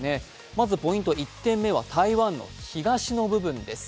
まずポイント１点目は台湾の東の部分です。